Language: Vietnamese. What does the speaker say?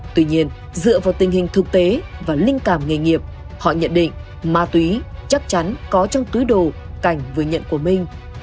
tuy nhiên dựa vào tình hình thực tế và linh cảm nghề nghiệp họ nhận định ma túy chắc chắn có trong túi đồ cảnh vừa nhận của minh